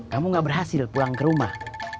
kamu gak berhasil pulang ke rumah